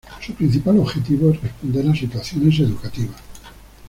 Su principal objetivo es responder a situaciones educativas.